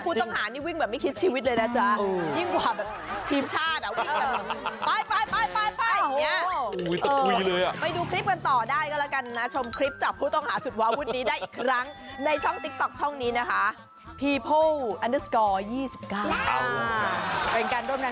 ผู้ต้องหารี่เร็วมากค่ะคือเวลามันวิ่งนะคุณพิษรวมนะ